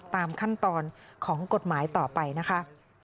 ตามขั้นตอนของกฎหมายต่อไปนะคะ